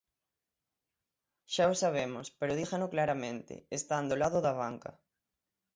Xa o sabemos, pero dígano claramente: están do lado da banca.